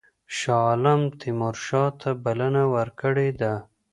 شاه عالم تیمورشاه ته بلنه ورکړې ده.